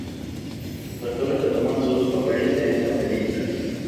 Los actores retoman sus papeles en esta película.